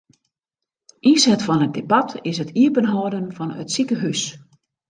Ynset fan it debat is it iepenhâlden fan it sikehús.